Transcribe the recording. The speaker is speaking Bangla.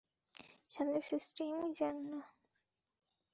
শালায় সিস্টেমই জানে না।